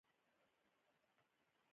د همدې چوخې په زور لنګرچلیږي